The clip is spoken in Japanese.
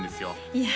いや